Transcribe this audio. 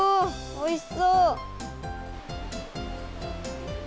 おいしそう！